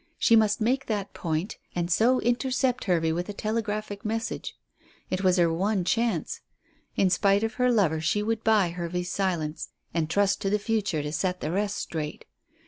She must make that point and so intercept Hervey with a telegraphic message. It was her one chance. In spite of her lover she would buy Hervey's silence, and trust to the future to set the rest straight.